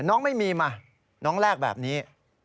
น้องไม่มีมาน้องแลกแบบนี้